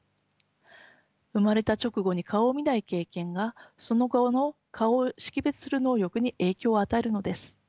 生まれた直後に顔を見ない経験がその後の顔を識別する能力に影響を与えるのです。